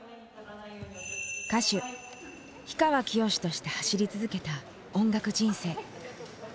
歌手氷川きよしとして走り続けた音楽人生。